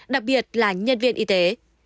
đặc biệt là nhân viên y tế